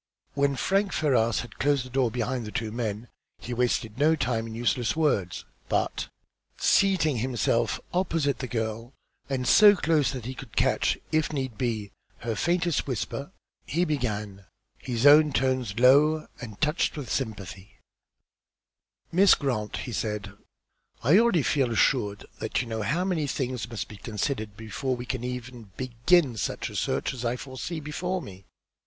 When Frank Ferrars had closed the door behind the two men, he wasted no time in useless words, but, seating himself opposite the girl, and so close that he could catch, if need be, her faintest whisper, he began, his own tones low and touched with sympathy "Miss Grant," he said, "I already feel assured that you know how many things must be considered before we can ever begin such a search as I foresee before me.